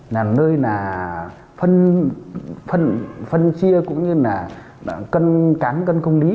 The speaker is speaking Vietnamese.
là nơi là phân chia cũng như là cân cắn cân công lý